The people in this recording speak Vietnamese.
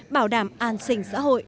bảo đảm an sinh xã hội